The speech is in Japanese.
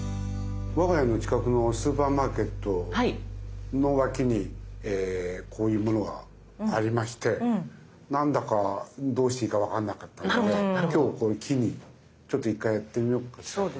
我が家の近くのスーパーマーケットの脇にこういうものがありまして何だかどうしていいか分かんなかったので今日これ機にちょっと１回やってみようかなと。